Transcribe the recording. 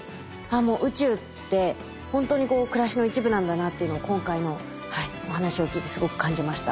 あもう宇宙ってほんとに暮らしの一部なんだなっていうのを今回のお話を聞いてすごく感じました。